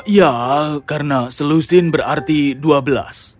ya karena selusin berarti dua belas